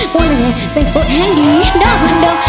เพื่ออันเดิม